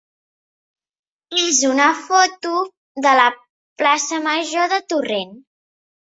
és una foto de la plaça major de Torrent.